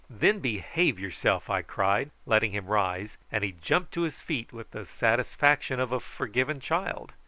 "Then behave yourself," I cried, letting him rise; and he jumped to his feet with the satisfaction of a forgiven child.